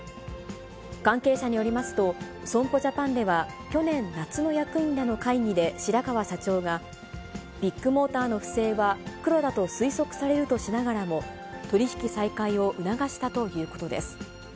関係者によりますと、損保ジャパンでは去年夏の役員らの会議で、白川社長が、ビッグモーターの不正は黒だと推測されるとしながらも、取り引き再開を促したということです。